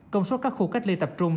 công suất các khu cách ly tập trung